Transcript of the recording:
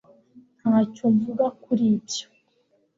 ntacyo mvuga kuri ibyo